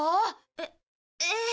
えっええ。